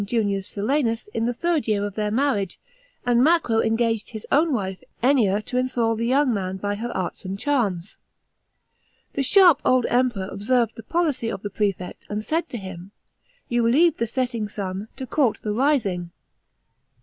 Junius Silanus, in the third year of their marriage, and Macro engaged his own wife Enuia to enthral the young man by her arts and charms. The sh irp old Emperor observed the | olicy of the prefect, and said to him, " You leave the setting sun, to court the rising."